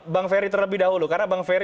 bang ferry terlebih dahulu karena bang ferry